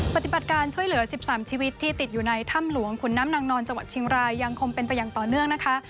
ปฏิบัติการช่วยเหลือ๑๓ชีวิตที่ติดอยู่ในถ้ำหลวงขุนน้ำนางนอนจังหวัดเชียงรายยังคงเป็นไปอย่างต่อเนื่องนะคะ